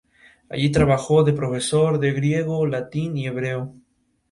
Allí trabajó de profesor de griego, latín y hebreo.